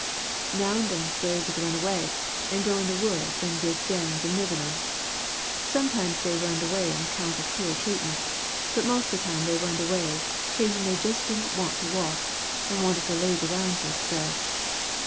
"Now and then slaves 'ud run away and go in the woods and dig dens and live in 'em. Sometimes they runned away on 'count of cruel treatment, but most of the time they runned away kazen they jus' didn't want to wuk, and wanted to laze around for a spell.